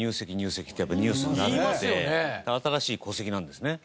新しい戸籍なんですね。